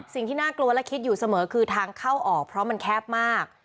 สิ่งที่น่ากลัวและคิดอยู่เสมอคือทางเข้าออกเพราะมันแคบมาก